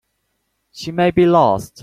She may be lost.